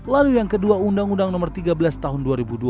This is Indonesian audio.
lalu yang kedua undang undang nomor tiga belas tahun dua ribu dua